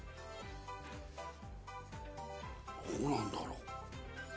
どうなんだろう？